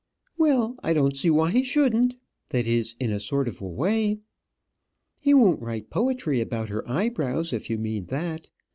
"Well, I don't see why he shouldn't; that is in a sort of a way. He won't write poetry about her eyebrows, if you mean that.